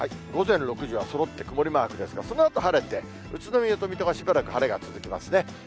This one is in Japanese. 午前６時はそろって曇りマークですが、そのあと晴れて、宇都宮と水戸はしばらく晴れが続きますね。